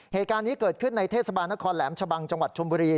เหตุการณ์นี้เกิดขึ้นในเทศบาลนครแหลมชะบังจังหวัดชมบุรี